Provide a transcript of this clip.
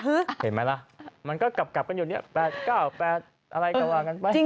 เห็นไหมล่ะมันก็กลับกันอยู่เนี่ย๘๙๘อะไรก็ว่ากันไป